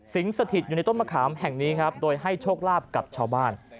สถิตอยู่ในต้นมะขามแห่งนี้ครับโดยให้โชคลาภกับชาวบ้าน